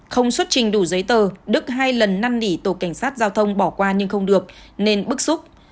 không xuất trình đủ giấy tờ đức hai lần năn nỉ tổ cảnh sát giao thông bỏ qua nhưng không được nên bức xúc